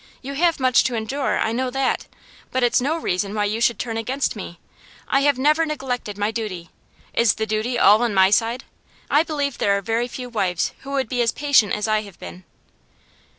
You have much to endure, I know that, but it's no reason why you should turn against me. I have never neglected my duty. Is the duty all on my side? I believe there are very few wives who would be as patient as I have been.